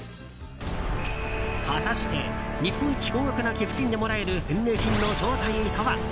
果たして日本一高額な寄付金でもらえる返礼品の正体とは？